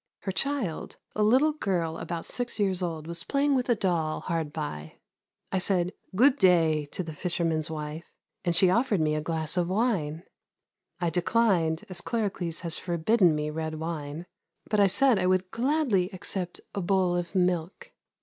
Her child, a little girl about six years old, was playing with a doll hard by. I said "Good day" to the fisherman's wife, and she offered me a glass of wine. I declined, as Claricles has forbidden me red wine, but I said I would gladly accept a bowl of milk.